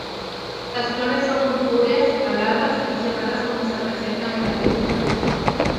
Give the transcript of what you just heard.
Las flores son purpúreas, aladas y cerradas como se presentan en las legumbres.